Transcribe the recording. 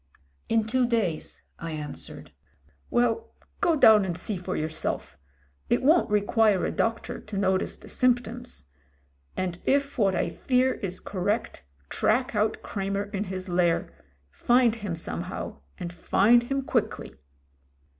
In two days," I answered. 'Well, go down and see for yourself; it won't re 198 MEN, WOMEN AND GUNS quire a doctor to notice the symptoms. And if what I fear is correct, track out Cremer in his lair — ^find him somehow and find him quickly."